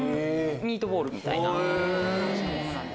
ミートボールみたいな感じ。